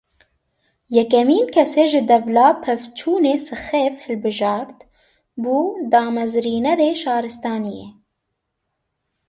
Yekemîn kesê ji dêvla pevçûnê sixêf hilbijart, bû damezrînerê şaristaniyê.